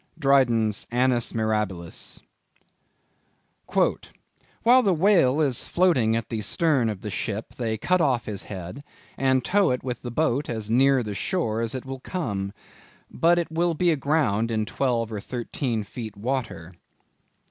—Dryden's Annus Mirabilis. "While the whale is floating at the stern of the ship, they cut off his head, and tow it with a boat as near the shore as it will come; but it will be aground in twelve or thirteen feet water."